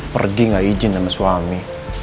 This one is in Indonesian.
pergi gak izin sama suami